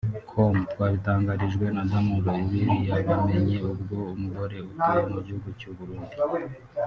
com twabitangarijwe na D'amour ibi yabimenye ubwo umugore utuye mu gihugu cy’u Burundi